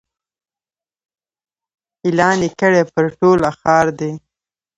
اعلان یې کړی پر ټوله ښار دی